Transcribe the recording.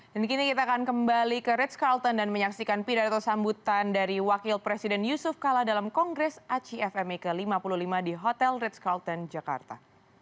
dan kini kita akan kembali ke ritz carlton dan menyaksikan pidato sambutan dari wakil presiden yusuf kala dalam kongres acfme ke lima puluh lima di hotel ritz carlton jakarta